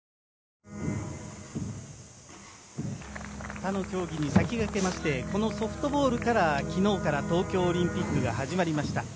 他の競技に先駆けましてこのソフトボールから昨日から東京オリンピックが始まりました。